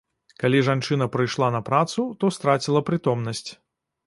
Калі жанчына прыйшла на працу, то страціла прытомнасць.